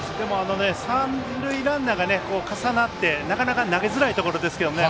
三塁ランナーが重なってなかなか投げづらいところですけどもね。